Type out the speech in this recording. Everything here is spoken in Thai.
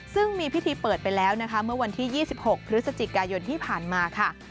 ซึ่งมีพิธีเปิดไปแล้วนะคะเมื่อวันที่๒๖พฤศจิกายนที่ผ่านมาค่ะ